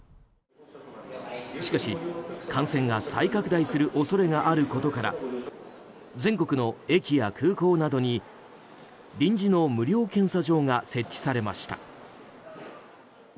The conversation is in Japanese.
しかし、感染が再拡大する恐れがあることから全国の駅や空港などに臨時の無料検査場が設置されました。